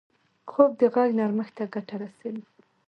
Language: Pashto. خوب د غږ نرمښت ته ګټه رسوي